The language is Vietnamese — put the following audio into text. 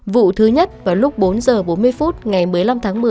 vụ thứ nhất vào lúc bốn giờ bốn mươi phút ngày một mươi năm tháng